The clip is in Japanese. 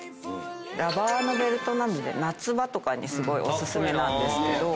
ラバーのベルトなので夏場とかにすごいお薦めなんですけど。